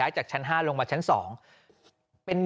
จากชั้น๕ลงมาชั้น๒